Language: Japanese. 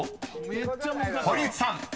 ［堀内さん］